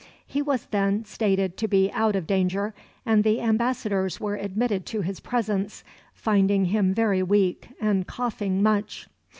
He was then stated to be out of danger, and the ambassadors were admitted to his presence, finding him very weak, and coughing much.